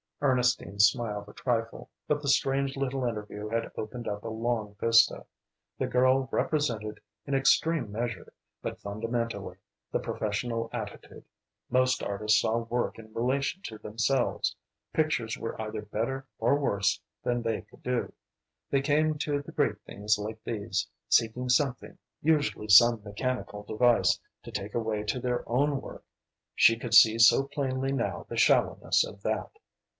Ernestine smiled a trifle, but the strange little interview had opened up a long vista. The girl represented, in extreme measure, but fundamentally, the professional attitude. Most artists saw work in relation to themselves. Pictures were either better or worse than they could do. They came to the great things like these, seeking something, usually some mechanical device, to take away to their own work. She could see so plainly now the shallowness of that.